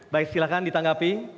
baik silakan ditanggapi